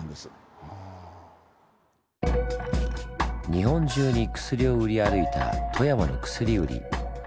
日本中に薬を売り歩いた富山の薬売り。